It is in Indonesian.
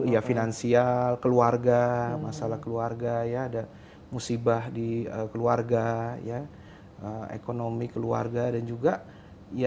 ya finansial keluarga masalah keluarga ya ada musibah di keluarga ya ekonomi keluarga dan juga ya